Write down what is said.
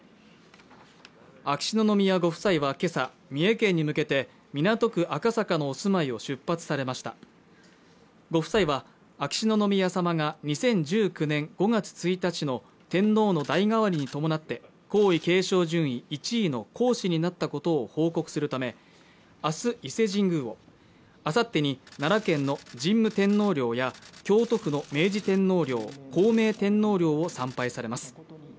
秋篠宮ご夫妻は今朝三重県に向けて港区赤坂のお住まいを出発されましたご夫妻は秋篠宮さまが２０１９年５月１日の天皇の代替わりに伴って皇位継承順位１位の皇嗣になったことを報告するため明日伊勢神宮をあさってに奈良県の神武天皇陵や京都府の明治天皇陵孝明天皇陵を参拝されます